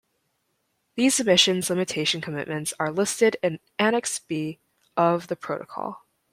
These emissions limitation commitments are listed in Annex B of the Protocol.